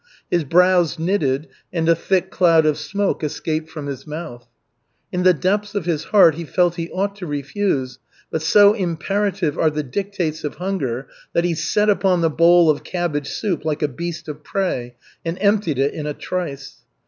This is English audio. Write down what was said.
His brows knitted, and a thick cloud of smoke escaped from his mouth. In the depths of his heart he felt he ought to refuse, but so imperative are the dictates of hunger that he set upon the bowl of cabbage soup like a beast of prey and emptied it in a trice.